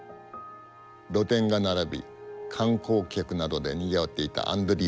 露店が並び観光客などでにぎわっていたアンドリー坂。